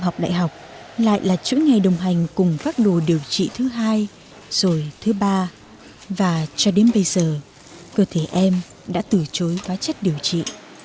bốn năm học đại học lại là chữa ngày đồng hành cùng phát đồ điều trị thứ hai rồi thứ ba và cho đến bây giờ cơ thể em đã từ chối hóa chất điều trị